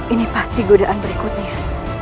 ini pasti godaan berikutnya